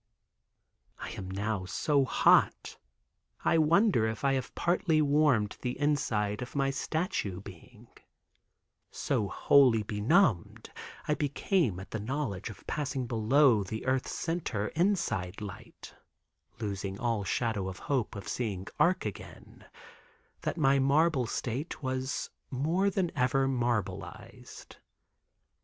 I am now so hot I wonder if I have partly warmed the inside of my statue being, (so wholly benumbed I became at the knowledge of passing below the earth's center, inside light—losing all shadow of hope of seeing Arc again—that my marble state was more than ever marbleized).